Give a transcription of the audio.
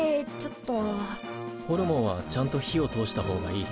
ホルモンはちゃんと火を通した方がいい。